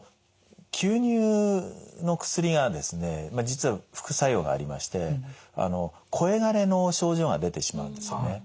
実は副作用がありまして声がれの症状が出てしまうんですよね。